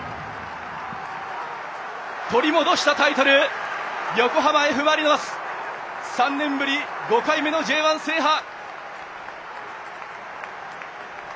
取り戻したタイトル横浜Ｆ・マリノス３年ぶり５回目のＪ１制覇！